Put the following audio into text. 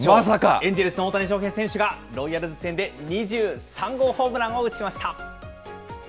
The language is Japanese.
エンジェルスの大谷翔平選手が、ロイヤルズ戦で２３号ホームランを打ちました。